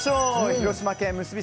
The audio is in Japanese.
広島県むすび